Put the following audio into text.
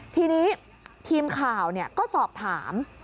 ทีนี้ทีมข่าวก็สอบถาม